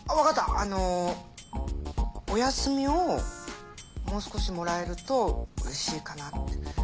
あのお休みをもう少しもらえると嬉しいかなって。